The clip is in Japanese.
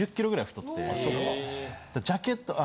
ジャケットあ。